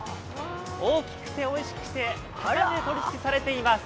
大きくておいしくて高値で取引されています。